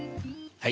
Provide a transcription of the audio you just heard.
はい。